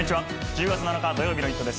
１０月７日土曜日の『イット！』です。